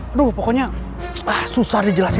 aduh pokoknya susah dijelasin